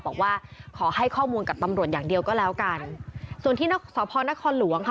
บอกว่าขอให้ข้อมูลกับตำรวจอย่างเดียวก็แล้วกันส่วนที่สพนครหลวงค่ะ